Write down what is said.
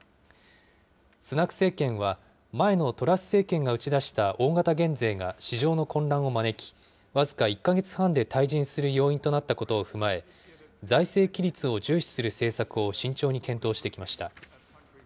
スナク政権は前のトラス政権が打ち出した大型減税が市場の混乱を招き、僅か１か月半で退陣する要因となったことを踏まえ、財政規律を重視する政策を慎重に検討してきました。